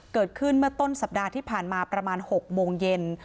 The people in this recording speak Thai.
เกิดขึ้นเมื่อต้นสัปดาห์ที่ผ่านมาประมาณ๖โมงเย็น